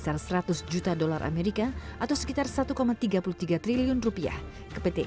karena saya pikir kembali ke